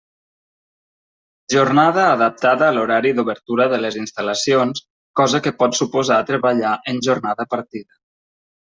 Jornada adaptada a l'horari d'obertura de les instal·lacions, cosa que pot suposar treballar en jornada partida.